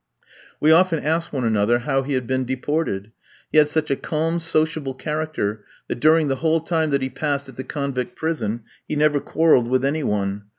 We often asked one another how he had been deported. He had such a calm, sociable character, that during the whole time that he passed at the convict prison, he never quarrelled with any one.